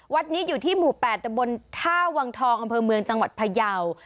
วัดนี้อยู่ที่หมู่๘ตะบนท่าวังทองอำเภอเมืองจังหวัดพยาว